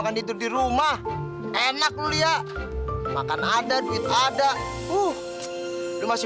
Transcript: nanti ada juga di patung air